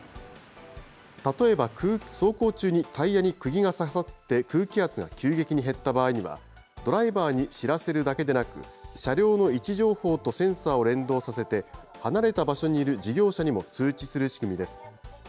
例えば走行中にタイヤにくぎが刺さって、空気圧が急激に減った場合には、ドライバーに知らせるだけでなく、車両の位置情報とセンサーを連動させて、離れた場所にいる事業者にも通知する仕組みです。